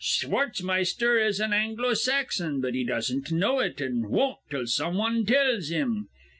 "Schwartzmeister is an Anglo Saxon, but he doesn't know it, an' won't till some wan tells him.